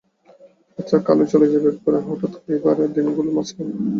আচ্ছা, কালই চলে যাব, একেবারে হঠাৎ, এই ভরা দিনগুলোর মাঝখানে।